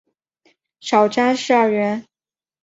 少詹事二员。